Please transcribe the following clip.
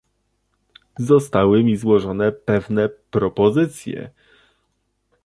Zostały mi złożone pewne propozycje